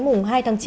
mùng hai tháng chín